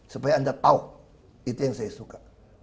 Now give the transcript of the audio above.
supaya anda tahu itu yang saya suka